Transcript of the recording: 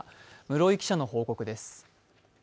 室井記者の報告です。